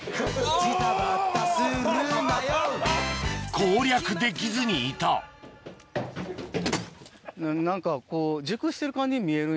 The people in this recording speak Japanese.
攻略できずにいた何かこう。